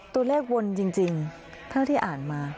วนจริงเท่าที่อ่านมา